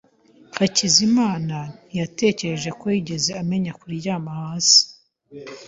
Hakizimana ntiyatekereje ko yigeze amenyera kuryama hasi.